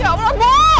ya allah bu